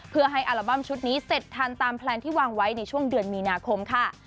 เพื่อให้อัลบั้มชุดนี้เสร็จทันตามแพลนที่วางไว้ในช่วงเดือนมีนาคมค่ะ